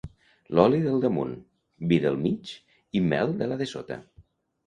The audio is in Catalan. L'oli del damunt, vi del mig i mel de la de sota.